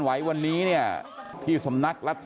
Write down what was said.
คอญญาเป็นนิงครับ